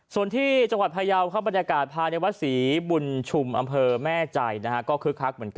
ส่วนที่จังหวัดพยาวครับบรรยากาศภายในวัดศรีบุญชุมอำเภอแม่ใจก็คึกคักเหมือนกัน